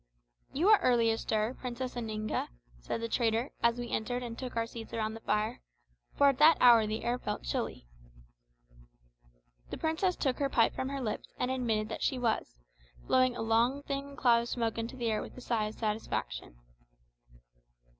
"You are early astir, Princess Oninga," said the trader as we entered and took our seats round the fire, for at that hour the air felt chilly. The princess took her pipe from her lips and admitted that she was, blowing a long thin cloud of smoke into the air with a sigh of satisfaction.